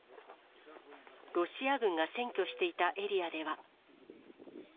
ロシア軍が占拠していたエリアでは。